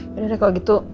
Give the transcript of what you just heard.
ya udah kalau gitu